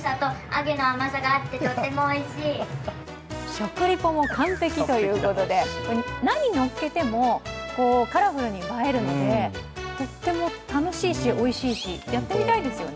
食リポも完璧ということで何をのっけてもカラフルに映えるのでとっても楽しいしおいしいしやってみたいですね。